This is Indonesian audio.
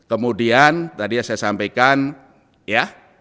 kemudian tadi yang saya sampaikan ya